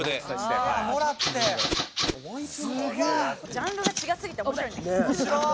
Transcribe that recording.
「ジャンルが違いすぎて面白いんだけど」